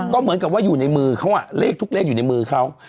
ก็เหมือนกันว่าอยู่ในมือเขา